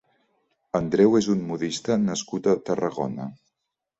Andreu és un modista nascut a Tarragona.